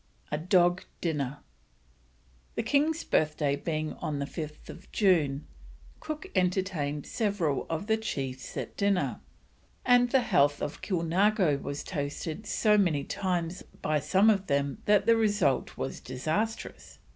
A DOG DINNER. The King's Birthday being on 5th June, Cook entertained several of the chiefs at dinner, and the health of Kilnargo was toasted so many times by some of them that the result was disastrous.